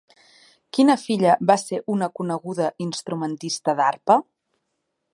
Quina filla va ser una coneguda instrumentista d'arpa?